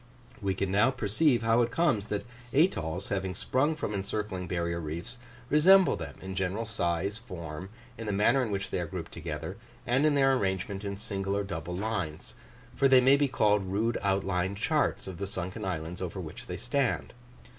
We can now perceive how it comes that atolls, having sprung from encircling barrier reefs, resemble them in general size, form, in the manner in which they are grouped together, and in their arrangement in single or double lines; for they may be called rude outline charts of the sunken islands over which they stand.